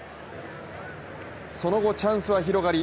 その後、チャンスは広がり